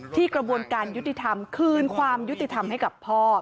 กระบวนการยุติธรรมคืนความยุติธรรมให้กับพ่อ